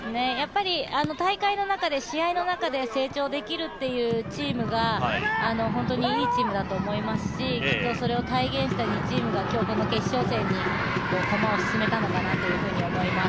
大会の中で、試合の中で成長できるチームが本当にいいチームだと思いますし、きっとそれを体現した２チームが今日この決勝戦に駒を進めたのかなと思います。